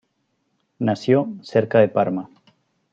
Nació cerca de Parma.